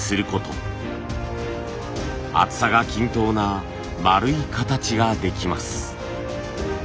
厚さが均等な丸い形ができます。